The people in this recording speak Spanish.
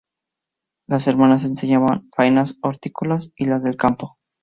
Las hermanas enseñaban faenas hortícolas y las del campo.